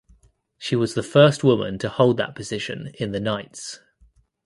She was the first woman to hold that position in the Knights.